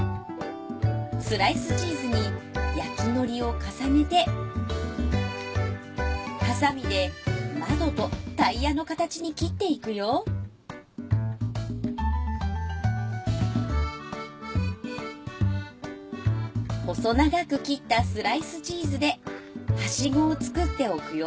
スライスチーズに焼きのりを重ねてはさみで窓とタイヤの形に切っていくよ細長く切ったスライスチーズではしごを作っておくよ